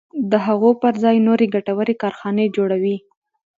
د هغو پر ځای نورې ګټورې کارخانې جوړوي.